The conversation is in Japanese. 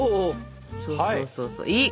そうそうそうそういい！